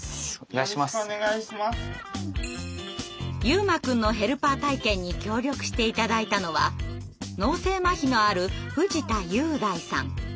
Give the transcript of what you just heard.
悠真くんのヘルパー体験に協力して頂いたのは脳性まひのある藤田裕大さん。